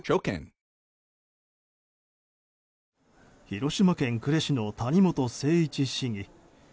広島県呉市の谷本誠一市議。